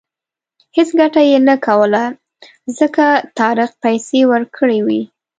هېڅ ګټه یې نه کوله ځکه طارق پیسې ورکړې وې.